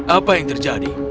apa yang terjadi